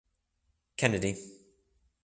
Kennedy.